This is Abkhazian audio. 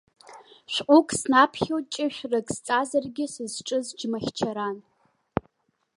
Шәҟәык снаԥхьо, ҷышәрак сҵазаргьы, сызҿыз џьмахьчаран.